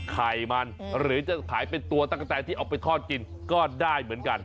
ไข่มันหรือจะขายเป็นตัวตั๊กกะแตนที่เอาไปทอดกินก็ได้เหมือนกัน